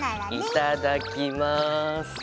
いただきます。